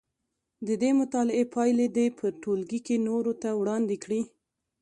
د دې مطالعې پایلې دې په ټولګي کې نورو ته وړاندې کړي.